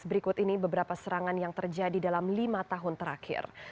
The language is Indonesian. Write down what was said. berikut ini beberapa serangan yang terjadi dalam lima tahun terakhir